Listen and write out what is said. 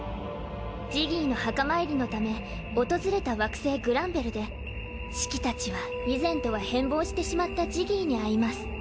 ジギーの墓参りのため訪れた惑星グランベルでシキたちは以前とは変貌してしまったジギーに会います。